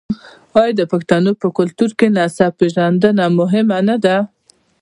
آیا د پښتنو په کلتور کې د نسب پیژندنه مهمه نه ده؟